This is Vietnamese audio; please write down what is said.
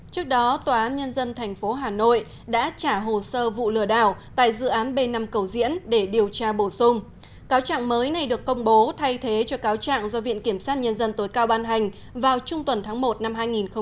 trước đó tòa án nhân dân tp hà nội đã trả hồ sơ vụ lừa đảo tại dự án b năm cầu diễn để điều tra bổ sung cáo trạng mới này được công bố thay thế cho cáo trạng do viện kiểm sát nhân dân tối cao ban hành vào trung tuần tháng một năm hai nghìn một mươi chín